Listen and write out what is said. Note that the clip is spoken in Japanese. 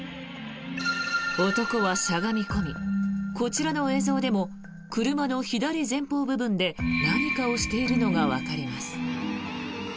男はしゃがみ込みこちらの映像でも車の左前方部分で何かをしているのがわかります。